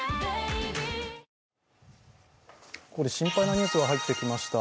ここで心配なニュースが入ってきました。